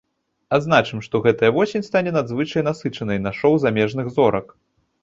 Адзначым, што гэтая восень стане надзвычай насычанай на шоў замежных зорак.